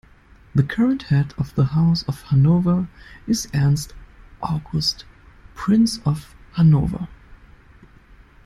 The current head of the House of Hanover is Ernst August, Prince of Hanover.